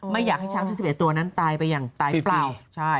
ตายไปอย่างตายเปล่า